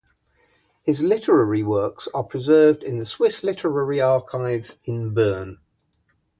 His literary works are preserved in the Swiss Literary Archives in Bern.